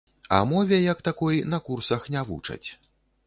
А мове як такой на курсах не вучаць.